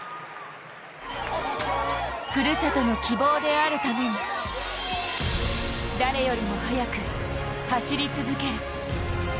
ふるさとの希望であるために誰よりも速く走り続ける。